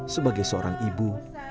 sebagai seorang ibu